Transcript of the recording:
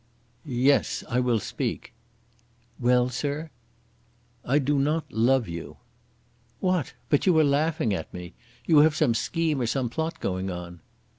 "Yes; I will speak." "Well, sir!" "I do not love you." "What! But you are laughing at me. You have some scheme or some plot going on."